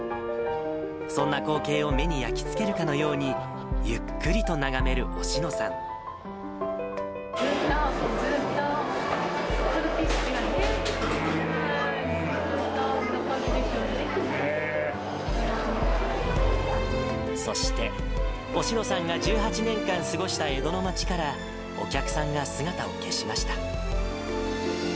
そんな光景を目に焼き付けるかのように、ずっとずーっと、この景色はそして、おしのさんが１８年間過ごした江戸の町からお客さんが姿を消しま